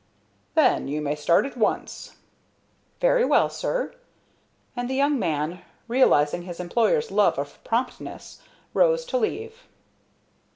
"Then you may start at once." "Very well, sir;" and the young man, realizing his employer's love of promptness, rose to leave.